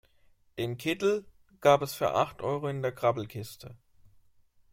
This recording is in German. Den Kittel gab es für acht Euro in der Grabbelkiste.